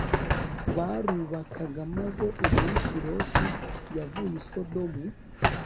barubakaga maze umunsi Loti yavuye i Sodomu